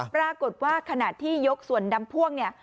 ปรากฏว่าขณะที่ยกส่วนดำพ่วงเนี่ย